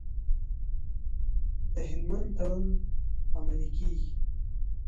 د هلمند تړون عملي کیږي؟